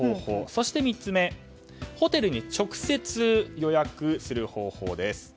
そして３つ目ホテルに直接予約する方法です。